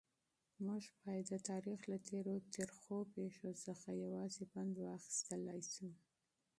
موږ باید د تاریخ له تېرو ترخو پیښو څخه یوازې پند واخیستلای شو.